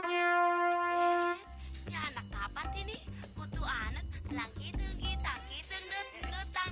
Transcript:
iya ninety buat ini utuh anet langitkan hitam bonceng